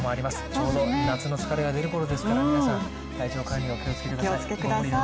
ちょうど夏の疲れが出るころですから皆さん、体調管理にお気をつけください。